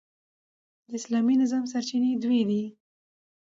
د اسلامي نظام سرچینې دوې دي.